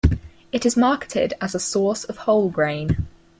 It is marketed as a source of whole grain.